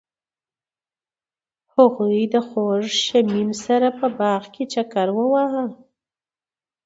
هغوی د خوږ شمیم سره په باغ کې چکر وواهه.